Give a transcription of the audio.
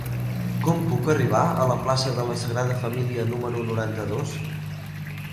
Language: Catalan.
Com puc arribar a la plaça de la Sagrada Família número noranta-dos?